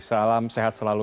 salam sehat selalu